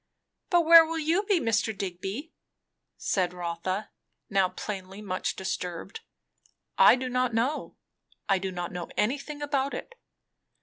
"But where will you be, Mr. Digby?" said Rotha, now plainly much disturbed. "I do not know. I do not know anything about it."